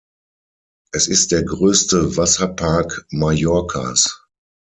Es ist der größte Wasserpark Mallorcas.